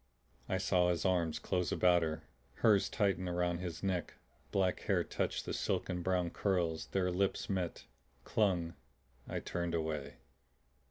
I saw his arms close about her, hers tighten around his neck; black hair touched the silken brown curls, their lips met, clung. I turned away.